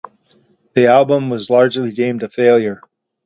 The album was largely deemed a failure.